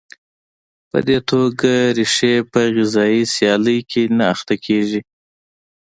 په دې توګه ریښې په غذایي سیالۍ کې نه اخته کېږي.